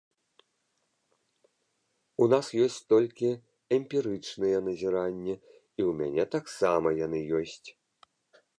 У нас ёсць толькі эмпірычныя назіранні, і ў мяне таксама яны ёсць.